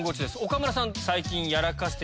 岡村さん。